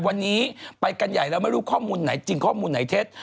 วันนี้ไปกันใหญ่แล้วไม่รู้ข้อมูลไหนจริงข้อมูลไหนเท็จ